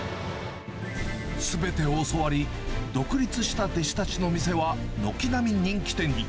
すべてを教わり、独立した弟子たちの店は軒並み人気店に。